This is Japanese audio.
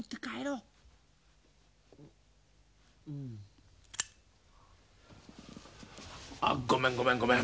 うん。あっごめんごめんごめん。